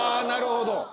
なるほど。